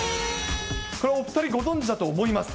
これ、お２人ご存じだと思います。